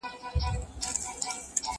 زه له سهاره لیکل کوم!!